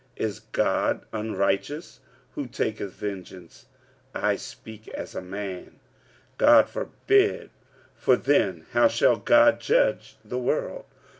Is God unrighteous who taketh vengeance? (I speak as a man) 45:003:006 God forbid: for then how shall God judge the world?